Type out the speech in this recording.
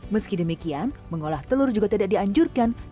meski demikian mengolah telur juga tidak dianjurkan